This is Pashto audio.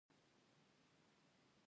چا يې په مخ کې نيکه وهلی و.